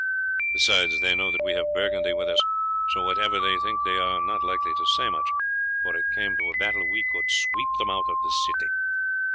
Besides, they know that we have Burgundy with us, so whatever they think they are not likely to say much, for if it came to a battle we could sweep them out of the city."